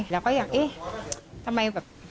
เราก็อยากเอ๊ะทำไมแบบ